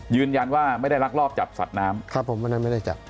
ยืนยันว่าไม่ได้รักรอบจับสัตว์น้ำครับผมวันนั้นไม่ได้จับ